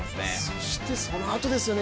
そしてそのあとですよね